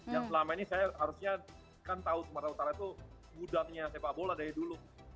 yang selama ini saya harusnya kan tahu sumatera utara itu gudangnya sepak bola dari dulu